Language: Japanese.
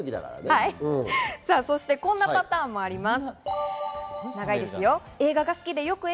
こんなパターンもあります。